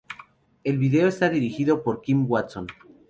El vídeo está dirigido por Kim Watson.